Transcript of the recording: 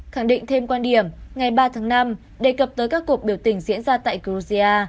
khẳng định thêm quan điểm ngày ba tháng năm đề cập tới các cuộc biểu tình diễn ra tại georgia